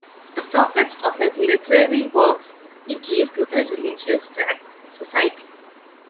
The profits of his literary works he gave to the Religious Tract Society.